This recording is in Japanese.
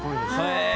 へえ。